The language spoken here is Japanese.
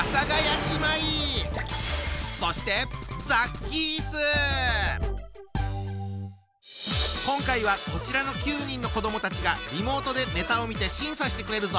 そして今回はこちらの９人の子どもたちがリモートでネタを見て審査してくれるぞ！